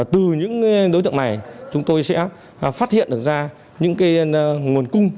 từ những đối tượng này chúng tôi sẽ phát hiện được ra những nguồn cung